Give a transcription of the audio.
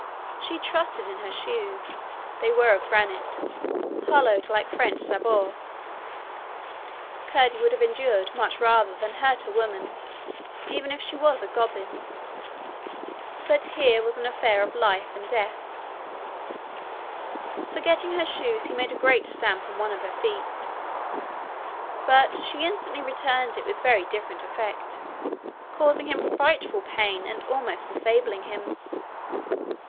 She trusted in her shoes: they were of granite hollowed like French sabots. Curdie would have endured much rather than hurt a woman, even if she was a goblin; but here was an affair of life and death: forgetting her shoes, he made a great stamp on one of her feet. But she instantly returned it with very different effect, causing him frightful pain, and almost disabling him.